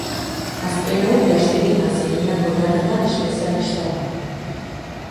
Azken hau plastilinaz egindako lanetan espezialista da.